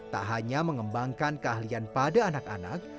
tak hanya mengembangkan keahlian pada anak anak